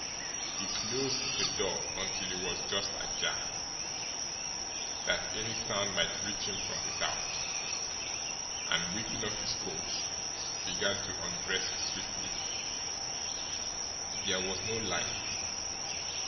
He closed the door until it was just ajar, that any sound might reach him from without and, whipping off his coat, began to undress swiftly. There was no light.